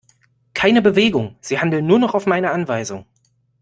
Keine Bewegung, sie handeln nur noch auf meine Anweisung!